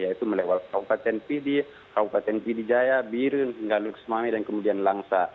yaitu melewati kaukat tendidi kaukat tendidi jaya birun loxmawi dan kemudian langsar